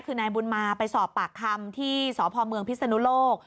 คือนายบุญมาไปสอบปากคำที่สพเมืองพิศนุโลก